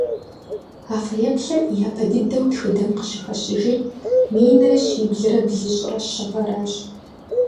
А фэеплъыр япэ дыдэу тхыдэм къыщыхэщыжыр минрэ щиблрэ блыщӏрэ щы гъэращ.